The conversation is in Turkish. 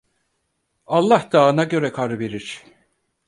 Allah dağına göre kar verir.